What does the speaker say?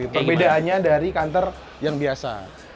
perbedaannya dari kantor yang biasa